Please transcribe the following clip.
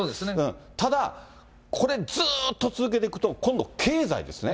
ただこれずっと続けていくと、今度、経済ですね。